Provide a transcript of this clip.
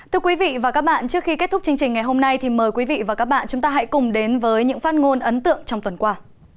thưa quý vị và các bạn trước khi kết thúc chương trình ngày hôm nay thì mời quý vị và các bạn chúng ta hãy cùng đến với những phát ngôn ấn tượng trong tuần qua